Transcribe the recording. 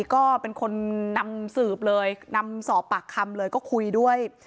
ก็เป็นคนนำสืบเลยนำสอบปากคำเลยก็คุยด้วย